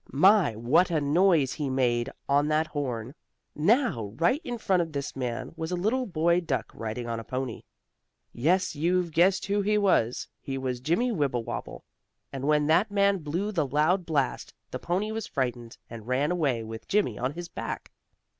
My, what a noise he made on that horn. Now, right in front of this man was a little boy duck riding on a pony. Yes, you've guessed who he was he was Jimmy Wibblewobble. And when that man blew the loud blast, the pony was frightened, and ran away with Jimmie on his back.